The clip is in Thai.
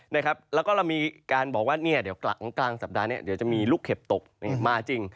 แล้วก็เรามีการบอกว่าเดี๋ยวกลางสัปดาห์นี้เดี๋ยวจะมีลูกเห็บตกมาจริง